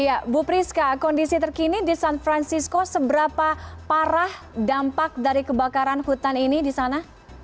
ya bu priska kondisi terkini di san francisco seberapa parah dampak dari kebakaran hutan ini di sana